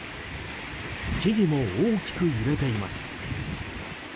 木々も大きく揺れています。